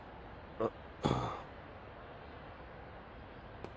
あっ。